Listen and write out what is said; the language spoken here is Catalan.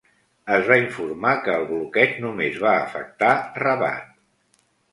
Es va informar que el bloqueig només va afectar Rabat.